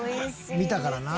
見たからな。